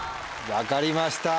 分かりました。